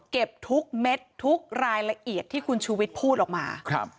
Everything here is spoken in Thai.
เก็บทุกเม็ดทุกรายละเอียดที่คุณชูวิทย์พูดออกมา